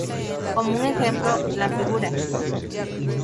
Como un ejemplo, la fig.